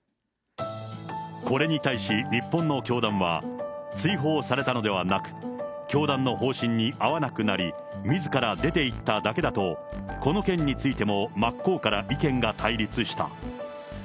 これに対し、日本の教団は、追放されたのではなく、教団の方針に合わなくなり、みずから出ていっただけだと、この件についても真っ向から意見が対立した。